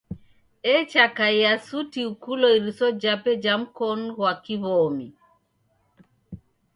Echakaia suti ukulo iriso jape ja mkonu ghwa kiw'omi .